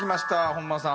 本間さん